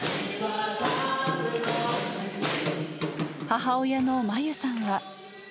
母親のまゆさんは。